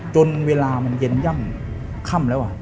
จนเวลามันเย็นย่ำค่ำแล้ว